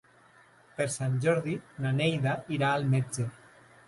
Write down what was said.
Per Sant Jordi na Neida irà al metge.